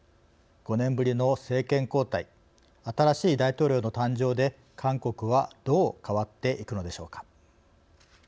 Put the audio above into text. ５年ぶりの政権交代新しい大統領の誕生で韓国はどう変わっていくのでしょうか。